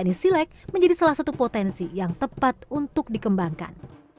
dan menjadikan silat menjadi salah satu potensi yang tepat untuk dikembangkan